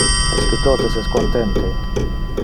Esque totes es contente?